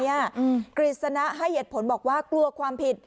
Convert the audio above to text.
กฤษณะให้เหตุผลบอกว่ากลัวความผิด